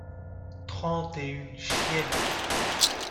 Trente et une chiennes.